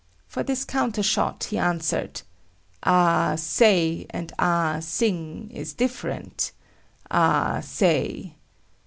For this counter shot, he answered: "A ah say and Ah Sing is different,—A ah say."